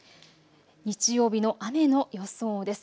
日曜日の雨の予想です。